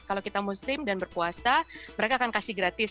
kalau kita muslim dan berpuasa mereka akan kasih gratis